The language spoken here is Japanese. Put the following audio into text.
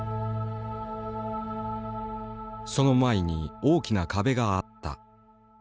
その前に大きな壁があった。